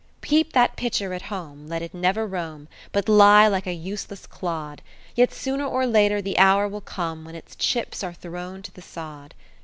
Keep that pitcher at home, let it never roam, But lie like a useless clod; Yet sooner or later the hour will come When its chips are thrown to the sod.